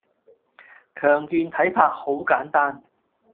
強健體魄好簡單